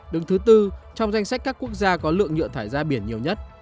đứng thứ tư trong danh sách các quốc gia có lượng nhựa thải ra biển nhiều nhất